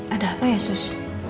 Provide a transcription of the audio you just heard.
ada apa ya sus